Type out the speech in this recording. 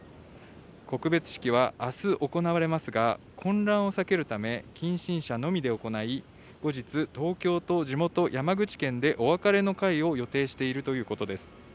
告別式は、あす行われますが、混乱を避けるため、近親者のみで行い、後日、東京と地元、山口県でお別れの会を予定しているということです。